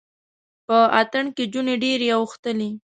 په اتڼ کې جونې ډیرې اوښتلې